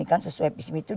ini kan sesuai pismitu